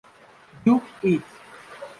Do it!